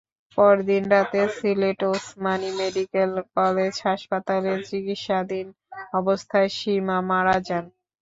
পরদিন রাতে Sylhet Osmani medical college হাসপাতালে চিকিৎসাধীন অবস্থায় সীমা মারা যান।